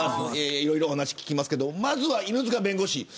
いろいろお話聞きますけどまずは犬塚弁護士。